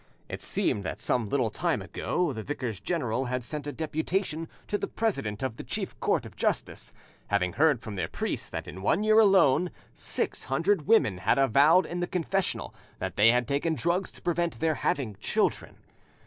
It seemed that some little time ago, the Vicars General had sent a deputation to the president of the chief court of justice, having heard from their priests that in one year alone six hundred women had avowed in the confessional that they had taken drugs to prevent their having children.